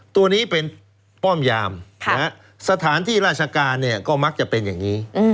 ตัวนี้เป็นป้อมยามสถานที่ราชการเนี่ยก็มักจะเป็นอย่างนี้